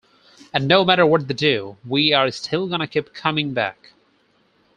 And no matter what they do, we're still gonna keep coming back.